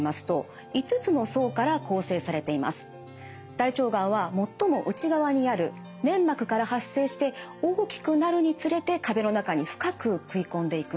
大腸がんは最も内側にある粘膜から発生して大きくなるにつれて壁の中に深く食い込んでいくんです。